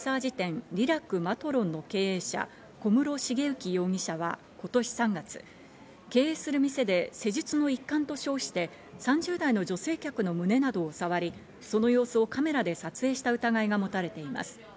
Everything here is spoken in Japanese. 警視庁によりますと、東京・立川市のマッサージ店リラクまとろんの経営者・小室茂行容疑者は、今年３月、経営する店で施術の一環と称して、３０代の女性客の胸などを触り、その様子をカメラで撮影した疑いが持たれています。